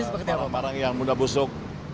barang barang yang mudah busuk